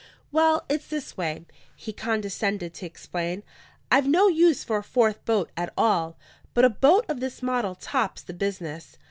"Well, it's this way," he condescended to explain. "I've no use for a fourth boat at all; but a boat of this model tops the business.